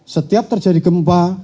setiap terjadi gempa